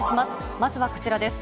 まずはこちらです。